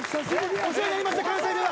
お世話になりました関西では。